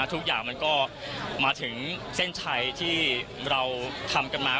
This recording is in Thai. ทุกอย่างมันก็มาถึงเส้นชัยที่เราทำกันมา